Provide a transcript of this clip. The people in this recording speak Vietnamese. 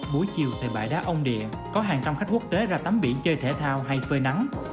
buổi chiều thời bại đá ông điện có hàng trăm khách quốc tế ra tắm biển chơi thể thao hay phơi nắng